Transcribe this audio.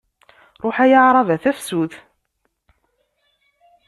Ruḥ ay aɛrab ar tafsut!